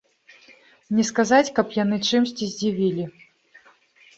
Не сказаць, каб яны чымсьці здзівілі.